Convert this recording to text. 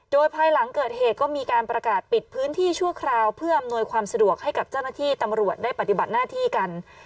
โดยภายหลังเกิดเหตุก็มีการประกาศปิดพื้นที่ชั่วคราวเพื่ออำนวยความสะดวกให้กับเจ้าหน้าที่ตำรวจได้ปฏิบัติหน้าที่กัน